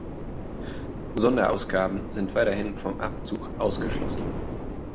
Sonderausgaben sind weiterhin vom Abzug ausgeschlossen.